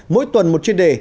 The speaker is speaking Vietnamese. mỗi tuần một chuyên đề